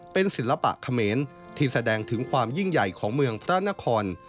เป็นศิลปะเขมรที่แสดงถึงความยิ่งใหญ่ของเมืองพระนคร